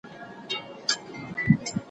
څه ښه وايي « بنده راسه د خدای خپل سه